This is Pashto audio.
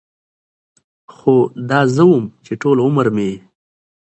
خو دا زه وم چې ټول عمر مې